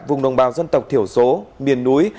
vùng đồng bào dân tộc thiểu số miền núi